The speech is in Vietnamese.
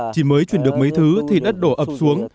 chỉ mới chuyển được mấy thứ thì đất đổ ập xuống